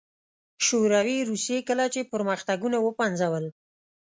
شوروي روسيې کله چې پرمختګونه وپنځول